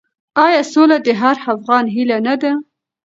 آیا سوله د هر افغان هیله نه ده؟